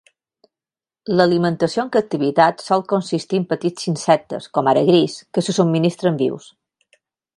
L'alimentació en captivitat sol consistir en petits insectes, com ara grills, que se subministren vius.